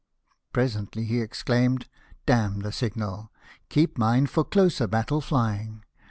" Pre sently he exclaimed, "Damn the signal ! Keep mine for closer battle flying